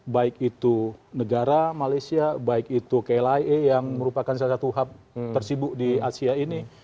baik itu negara malaysia baik itu klia yang merupakan salah satu hub tersibuk di asia ini